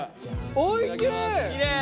おいしい！